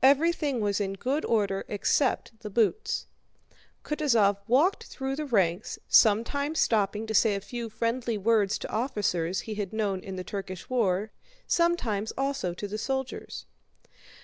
Everything was in good order except the boots. Kutúzov walked through the ranks, sometimes stopping to say a few friendly words to officers he had known in the Turkish war, sometimes also to the soldiers.